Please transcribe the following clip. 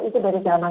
itu dari jaman